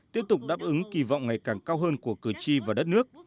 tiếp tục đáp ứng kỳ vọng ngày càng cao hơn của cử tri và đất nước